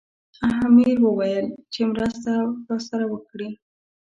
امیر ورته وویل چې مرسته راسره وکړي.